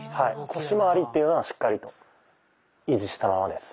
腰まわりっていうのはしっかりと維持したままです。